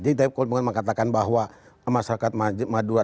jadi kalau bukan mengatakan bahwa masyarakat madura